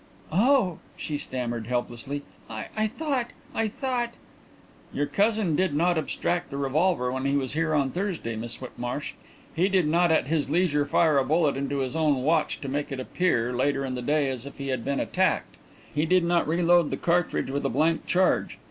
"Oh!" she stammered helplessly. "I thought I thought " "Your cousin did not abstract the revolver when he was here on Thursday, Miss Whitmarsh. He did not at his leisure fire a bullet into his own watch to make it appear, later in the day, as if he had been attacked. He did not reload the cartridge with a blank charge.